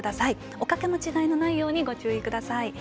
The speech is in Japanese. おかけ間違いのないようご注意ください。